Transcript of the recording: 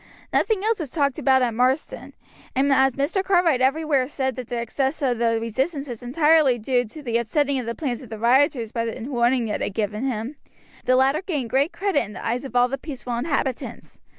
Nothing else was talked about at Marsden, and as Mr. Cartwright everywhere said that the success of the resistance was due entirely to the upsetting of the plans of the rioters by the warning Ned had given him, the latter gained great credit in the eyes of all the peaceful inhabitants.